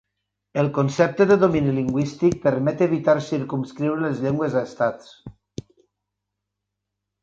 El concepte de domini lingüístic permet evitar circumscriure les llengües a estats.